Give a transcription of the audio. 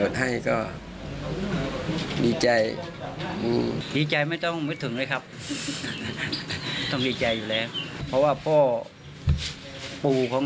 แต่ไม่มีชาติโดดมีเนออสรสามมีอะสรุพอแค่นั่นหนึ่ง